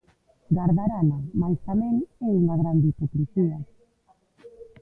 Gardarana mais tamén é unha grande hipocrisía.